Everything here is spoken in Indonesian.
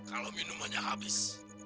kalau minumannya habis